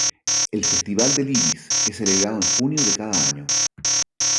El Festival del Iris, es celebrado en junio de cada año.